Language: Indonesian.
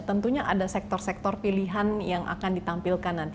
tentunya ada sektor sektor pilihan yang akan ditampilkan nanti